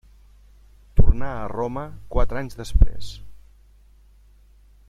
Tornà a Roma quatre anys després.